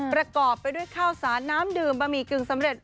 ประกอบไปด้วยข้าวสารน้ำดื่มบะหมี่กึ่งสำเร็จ